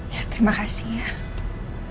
ya terima kasih ya